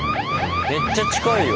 めっちゃ近いよ。